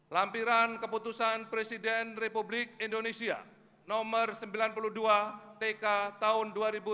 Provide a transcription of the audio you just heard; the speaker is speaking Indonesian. lampiran keputusan presiden republik indonesia nomor sembilan puluh dua tk tahun dua ribu dua puluh